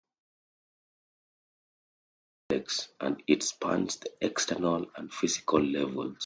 This layer is the most complex as it spans the external and physical levels.